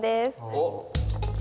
おっ。